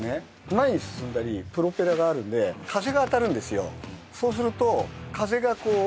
前に進んだりプロペラがあるんで風が当たるんですよ